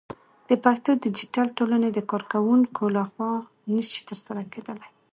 د پښتو ديجيتل ټولنې د کارکوونکو لخوا نشي ترسره کېدلى